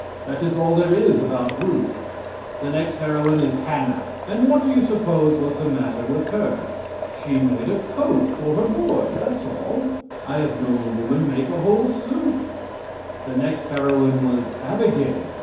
That is all there is about Ruth. The next heroine is Hannah. And what do you suppose was the matter with her? She made a coat for her boy; that's all. I have known a woman make a whole suit! The next heroine was Abigail.